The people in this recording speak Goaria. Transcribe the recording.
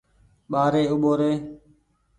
ٻآري اوٻو ري۔